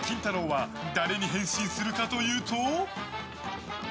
は誰に変身するかというと。